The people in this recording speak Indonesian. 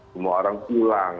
semua orang pulang